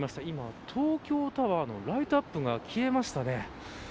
今、東京タワーのライトアップが消えましたね。